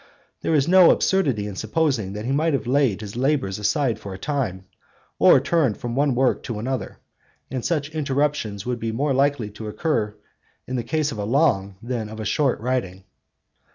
There is no absurdity in supposing that he may have laid his labours aside for a time, or turned from one work to another; and such interruptions would be more likely to occur in the case of a long than of a short writing.